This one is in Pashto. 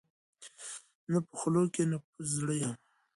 نه به په خولو کي نه به په زړه یم